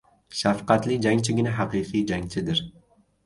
• Shafqatli jangchigina haqiqiy jangchidir.